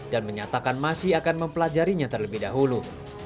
dan menyatakan masih akan mempelajarinya terlebih dahulu